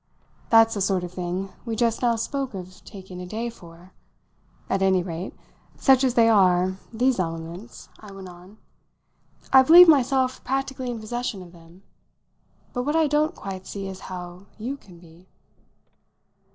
"That's the sort of thing we just now spoke of taking a day for. At any rate, such as they are, these elements," I went on, "I believe myself practically in possession of them. But what I don't quite see is how you can be."